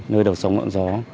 nơi đầu sống ngọn gió